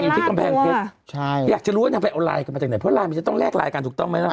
อย่างงี้ต้องเป็นลาดตัวใช่อยากจะรู้ว่าทำไมเอาลายกันมาจากไหนเพราะลายมันจะต้องแลกลายกันถูกต้องไหมนะ